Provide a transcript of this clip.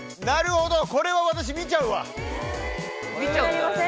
なるほどこれは私見ちゃうわ。